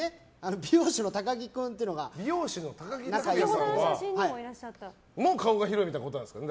美容師の高木君っていうのが顔が広いってことなんですか？